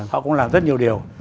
họ cũng làm rất nhiều điều